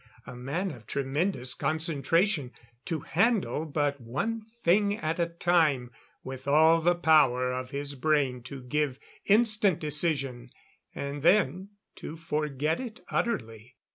A man of tremendous concentration, to handle but one thing at a time; with all the power of his brain to give instant decision, and then to forget it utterly.